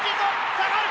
下がる！